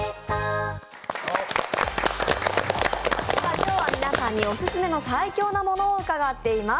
今日は皆さんにオススメの最強なものを伺っています。